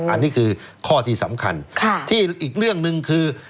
อันนี้คือข้อที่สำคัญที่อีกเรื่องหนึ่งคือ